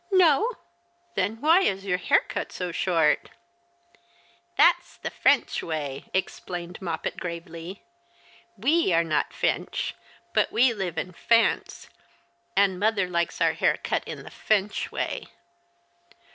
'• No !"•■•' Then why was your hair cut su short ?"" That's the F'euch way," explained Moppet, gravely. " We are not F'ench, but we live in F'ance, and mother likes our hair cut in the F'ench way."